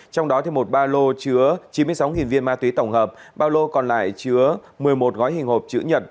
trong đó một ba lô chứa chín mươi sáu viên ma túy tổng hợp ba lô còn lại chứa một mươi một gói hình hộp chữ nhật